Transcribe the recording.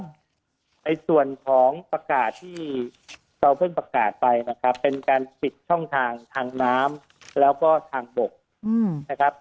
ในส่วนของประกาศที่เราเพิ่งประกาศไปนะครับเป็นการปิดช่องทางทางน้ำแล้วก็ทางบกนะครับ